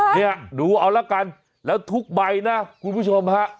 เนี่ยดูเอาละกันแล้วทุกใบนะคุณผู้ชมฮะ